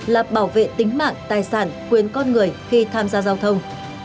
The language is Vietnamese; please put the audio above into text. là bảo vệ tính mạng tài sản quyền con người khi tham gia giao thông